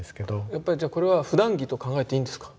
やっぱりじゃこれはふだん着と考えていいんですか？